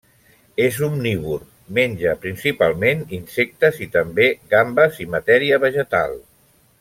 És omnívor: menja principalment insectes i, també, gambes i matèria vegetal.